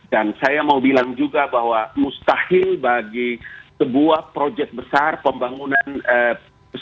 dan saya mau bilang juga bahwa mustahil bagi sebuah project besar pembangunan strategis ini